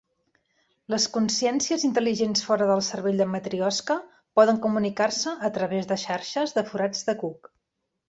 Les consciències intel·ligents fora del cervell de Matrioshka poden comunicar-se a través de xarxes de forats de cuc.